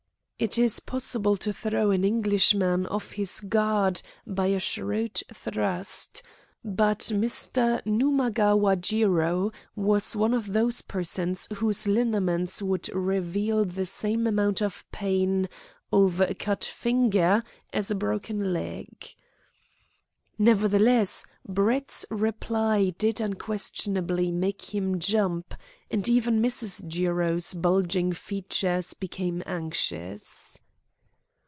It is possible to throw an Englishman off his guard by a shrewd thrust; but Mr. Numagawa Jiro was one of those persons whose lineaments would reveal the same amount of pain over a cut finger as a broken leg. Nevertheless, Brett's reply did unquestionably make him jump, and even Mrs. Jiro's bulging features became anxious.